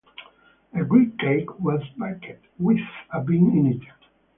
A great cake was baked with a bean in it.